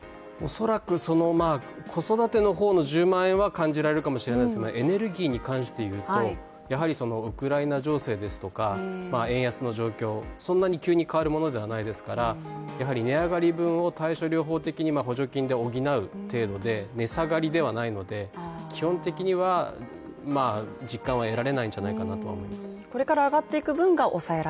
恐らく、子育ての方の１０万円は感じられるかもしれないですがエネルギーに関して言うと、ウクライナ情勢ですとか円安の状況、そんな急に変わるものではないですから、やはり値上がり分を対処療法的に補助金分で補う程度で値下がりではないので、基本的には、実感は得られないんじゃないかなと思います。